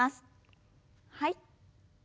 はい。